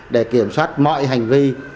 để kiểm soát mọi hành vi